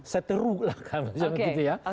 seteru lah kan seperti itu ya